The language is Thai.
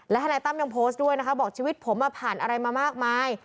ทนายตั้มยังโพสต์ด้วยนะคะบอกชีวิตผมผ่านอะไรมามากมาย